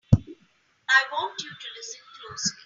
I want you to listen closely!